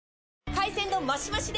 海鮮丼マシマシで！